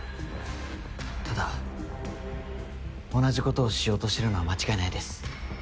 ただ同じことをしようとしてるのは間違いないです。